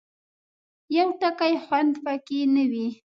یو ټکی خوند پکې نه وي.